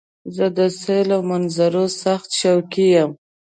زه د سیل او منظرو سخت شوقی وم.